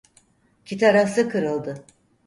Kitarası kırıldı.